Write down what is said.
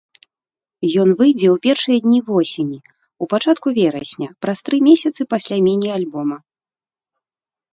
Ён выйдзе ў першыя дні восені, ў пачатку верасня, праз тры месяцы пасля міні-альбома.